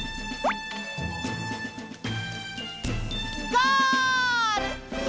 ゴール！